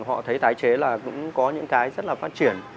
họ thấy tái chế là cũng có những cái rất là phát triển